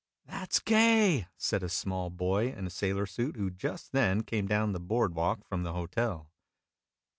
"That 's gay!" said a small boy in a sailor suit, who just then came clown the board walk from the hotel.